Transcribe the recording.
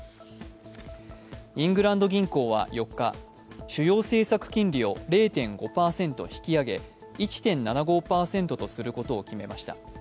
イングランド銀行は４日主要政策金利を０．５％引き上げ１．７５％とすることを決めました。